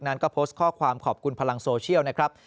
นั้นก็โพสต์ข้อความขอบคุณพลังโซเชียลนะครับ